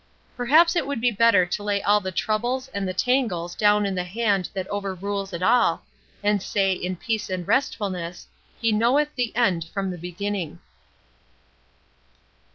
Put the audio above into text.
Perhaps it would be better to lay all the troubles and the tangles down in the Hand that overrules it all, and say, in peace and restfulness, "He knoweth the end from the beginning."